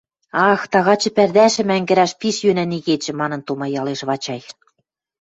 «Ах, тагачы пӓрдӓшӹм ӓнгӹрӓш пиш йӧнӓн игечӹ», — манын тумаялеш Вачай.